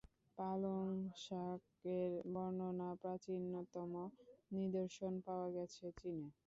পালং শাকের বর্ণনার প্রাচীনতম নিদর্শন পাওয়া গেছে চীনে।